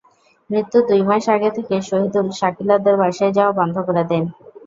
মৃত্যুর দুই মাস আগে থেকে শহীদুল সাকিলাদের বাসায় যাওয়া বন্ধ করে দেন।